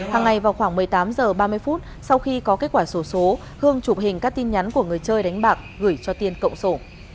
hàng ngày vào khoảng một mươi tám h ba mươi phút sau khi có kết quả sổ số hương chụp hình các tin nhắn của người chơi đánh bạc gửi cho tiên cộng sổ